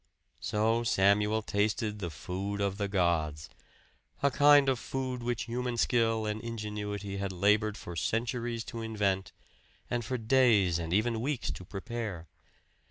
So Samuel tasted the food of the gods; a kind of food which human skill and ingenuity had labored for centuries to invent, and for days and even weeks to prepare.